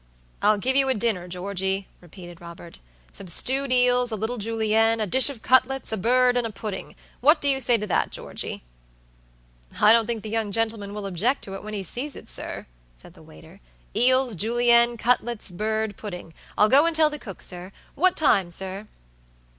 "I'll give you a dinner, Georgey," repeated Robert"some stewed eels, a little Julienne, a dish of cutlets, a bird, and a pudding. What do you say to that, Georgey?" "I don't think the young gentleman will object to it when he sees it, sir," said the waiter. "Eels, Julienne, cutlets, bird, puddingI'll go and tell the cook, sir. What time, sir?"